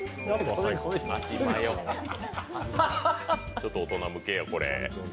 ちょっと大人向けや、これ。